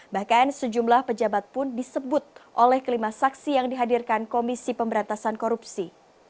bahkan sejumlah pejabat pun disebut oleh kelima saksi yang dihadirkan komisi pemberantasan korupsi